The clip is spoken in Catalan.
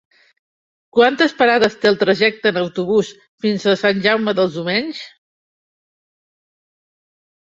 Quantes parades té el trajecte en autobús fins a Sant Jaume dels Domenys?